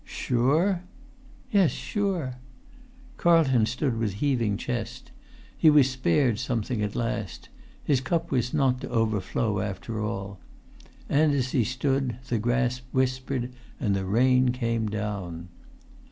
"Sure?" "Yes, sure." Carlton stood with heaving chest. He was spared something at last; his cup was not to overflow after all. And, as he stood, the grass whispered, and the rain came down.